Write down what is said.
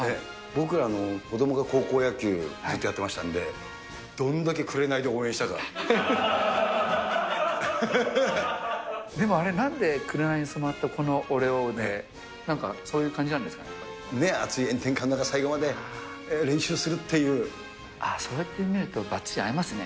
僕らの子どもが高校野球ずっとやってましたんで、どんだけ紅でも、あれなんで紅に染まったこの俺をで、なんか、そういう感じなんで暑い炎天下の中、最後まで練そうやって見ると、ばっちり合いますね。